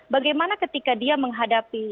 bagaimana ketika dia menghadapi